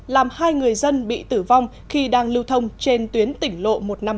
làm hai người dân bị tử vong khi đang lưu thông trên tuyến tỉnh lộ một trăm năm mươi ba